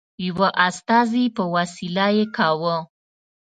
یوه استازي په وسیله یې کاوه.